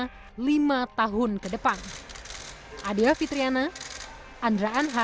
menjadi salah satu pekerjaan rumah presiden joko widodo dalam masa jabatannya